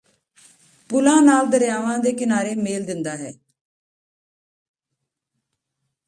ਪੁਲਾਂ ਨਾਲ ਦਰਿਆਵਾਂ ਦੇ ਕਿਨਾਰੇ ਮੇਲ ਦਿੰਦਾ ਹੈ